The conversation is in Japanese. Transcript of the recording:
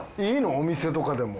お店とかでも。